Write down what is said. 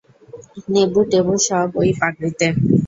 নেবু taboo সব ঐ পাগড়িতে।